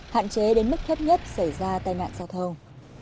hạn chế đến mức thấp nhất xảy ra tai nạn giao thông